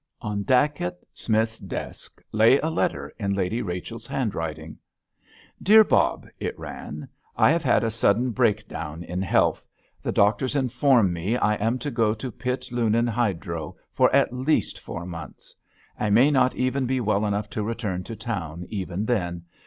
On Dacent Smith's desk lay a letter in Lady Rachel's handwriting. DEAR BOB, it ran, _I have had a sudden breakdown in health. The doctors inform me I am to go to Pitt Lunan Hydro for at least four months. I may not even be well enough to return to town even then.